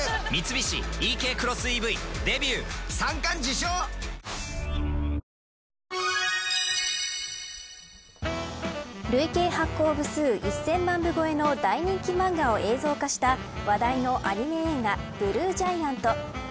選ぶ日がきたらクリナップ累計発行部数１０００万部超えの大人気漫画を映像化した話題のアニメ映画ＢＬＵＥＧＩＡＮＴ